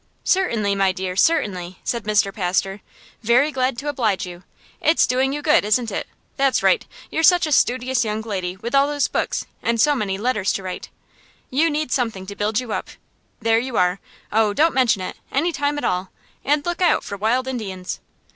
"Certainly, my dear, certainly," said Mr. Pastor; "very glad to oblige you. It's doing you good, isn't it? That's right. You're such a studious young lady, with all those books, and so many letters to write you need something to build you up. There you are. Oh, don't mention it! Any time at all. And lookout for wild Indians!"